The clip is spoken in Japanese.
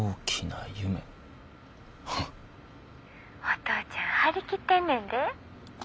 お父ちゃん張り切ってんねんで。